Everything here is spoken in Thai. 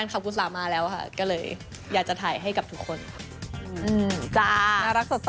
ข่าวยไปเร็วมากค่ะ